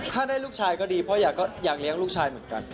ถ้าได้ลูกชายก็ดีเพราะอยากเลี้ยงลูกชายเหมือนกัน